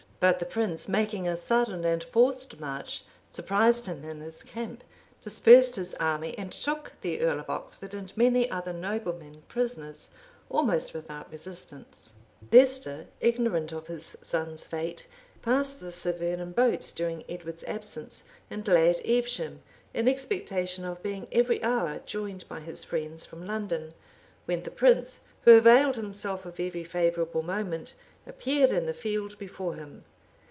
But the prince, making a sudden and forced march, surprised him in his camp, dispersed his army, and took the earl of Oxford and many other noblemen prisoners, almost without resistance. Leicester, ignorant of his son's fate, passed the Severn in boats during Edward's absence, and lay at Evesham, in expectation of being every hour joined by his friends from London; when the prince, who availed himself of every favorable moment, appeared in the field before him.